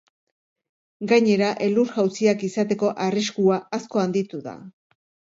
Gainera, elur-jausiak izateko arriskua asko handitu da.